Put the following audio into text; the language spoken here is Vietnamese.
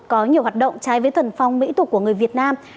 có nhiều hoạt động trái với thuần phong mỹ tục của người việt nam